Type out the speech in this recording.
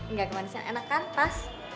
enggak kemanisan enak kan pas